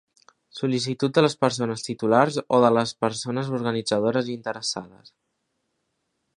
Sol·licitud de les persones titulars o de les persones organitzadores interessades.